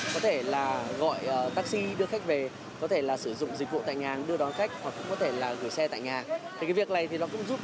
có thể là gọi taxi